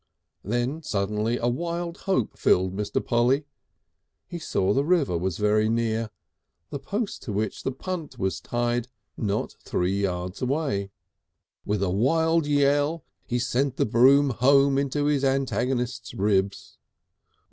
Then suddenly a wild hope filled Mr. Polly. He saw the river was very near, the post to which the punt was tied not three yards away. With a wild yell, he sent the broom home into his antagonist's ribs.